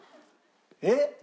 えっ？